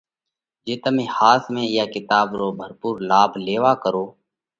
جي تمي ۿاس ۾ اِيئا ڪِتاٻ رو ڀرپُور لاڀ ليوا ڪروھ